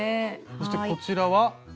そしてこちらは？